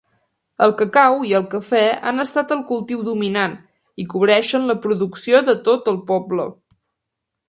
El cacau i el cafè han estat el cultiu dominant i cobreixen la producció de tot el poble.